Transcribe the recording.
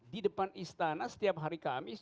di depan istana setiap hari kamis